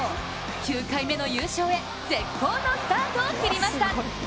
９回目の優勝へ絶好のスタートを切りました。